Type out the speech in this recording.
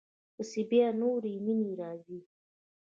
پسې بیا نورې مینې راځي.